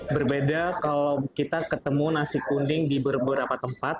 berbeda kalau kita ketemu nasi kuning di beberapa tempat